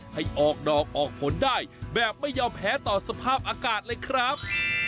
ให้ออกดอกออกผลได้แบบไม่ยอมแพ้ต่อสภาพอากาศเลยครับ